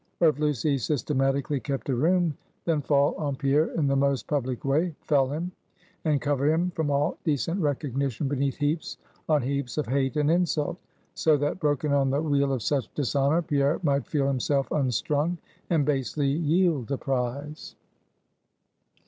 Or if Lucy systematically kept her room, then fall on Pierre in the most public way, fell him, and cover him from all decent recognition beneath heaps on heaps of hate and insult; so that broken on the wheel of such dishonor, Pierre might feel himself unstrung, and basely yield the prize.